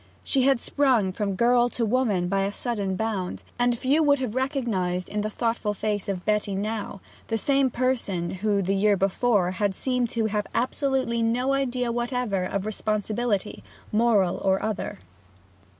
She had sprung from girl to woman by a sudden bound, and few would have recognized in the thoughtful face of Betty now the same person who, the year before, had seemed to have absolutely no idea whatever of responsibility, moral or other.